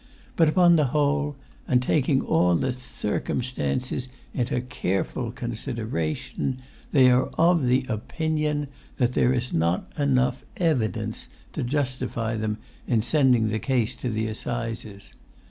But, upon the whole, and taking all the cir cum stances into care ful con sid er ation, they are of o pin i on that there is not enough ev i dence to justify them in sending the case to the assizes.